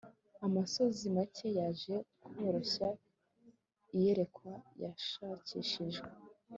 Amosozi make yaje koroshya iyerekwa yashakishijwe